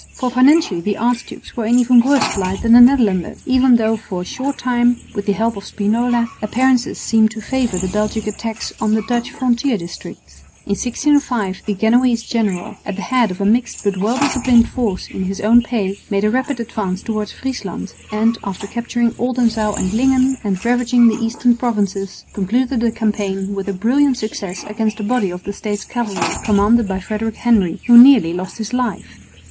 For financially the archdukes were in even worse plight than the Netherlanders, even though for a short time, with the help of Spinola, appearances seemed to favour the Belgic attacks on the Dutch frontier districts. In 1605 the Genoese general, at the head of a mixed but well disciplined force in his own pay, made a rapid advance towards Friesland, and, after capturing Oldenzaal and Lingen and ravaging the eastern provinces, concluded the campaign with a brilliant success against a body of the States cavalry commanded by Frederick Henry, who nearly lost his life.